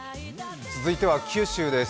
続いては九州です。